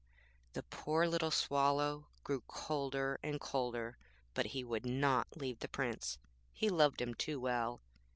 The poor little Swallow grew colder and colder, but he would not leave the Prince, he loved him too well.